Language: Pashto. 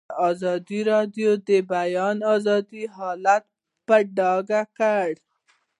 ازادي راډیو د د بیان آزادي حالت په ډاګه کړی.